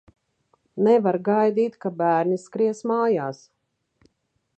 Nevar gaidīt, ka bērni skries mājās.